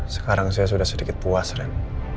sekarang saya sudah sedikit puas ren